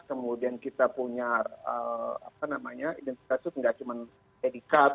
kemudian kita punya identitas itu tidak cuma dedikat